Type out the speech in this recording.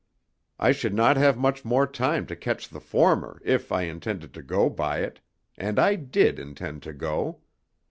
I should not have much more than time to catch the former, if I intended to go by it and I did intend to go.